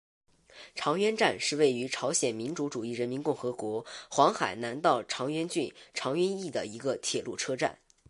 长渊站是位于朝鲜民主主义人民共和国黄海南道长渊郡长渊邑的一个铁路车站。